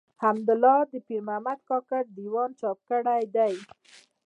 حمدالله د پيرمحمد کاکړ د ېوان چاپ کړی دﺉ.